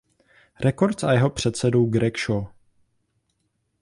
Records a jeho předsedou Greg Shaw.